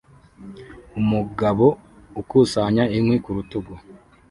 Umugabo ukusanya inkwi ku rutugu